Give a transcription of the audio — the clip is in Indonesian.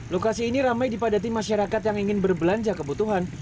lokasi ini ramai dipadati masyarakat yang ingin berbelanja kebutuhan